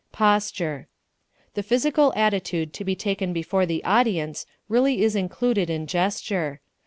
Posture The physical attitude to be taken before the audience really is included in gesture.